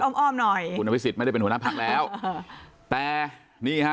พูดอ้อมอ้อมหน่อยคุณอวิสิทธิ์ไม่ได้เป็นหัวหน้าพักแล้วแต่นี่ฮะ